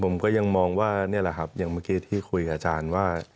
ผมก็ยังมองว่านี่แหละครับอย่างเมื่อกี้ที่คุยกับอาจารย์ว่า